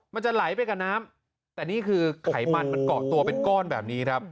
มันจะไหลไปกับน้ำแต่นี่คือไขมันมันเกาะตัวเป็นก้อนแบบนี้ครับ